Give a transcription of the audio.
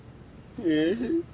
えっ？